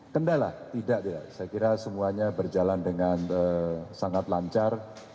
kendala tidak saya kira semuanya berjalan dengan sangat lancar